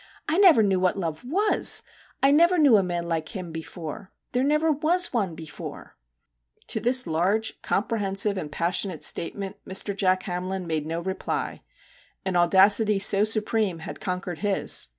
I never knew what love was ! I never knew a man like him before ! There never was one before V To this large, comprehensive, and passionate statement Mr. Jack Hamlin made no reply. An audacity so supreme had conquered his.